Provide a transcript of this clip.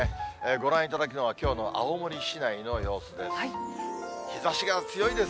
ご覧いただくのは、きょうの青森市内の様子です。